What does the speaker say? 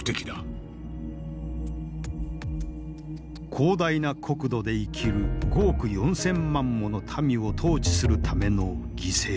広大な国土で生きる５億４，０００万もの民を統治するための犠牲。